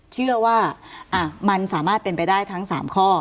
เชื่อว่ามันสามารถเป็นไปได้ทั้ง๓ข้อ